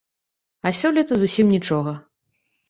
А сёлета зусім нічога.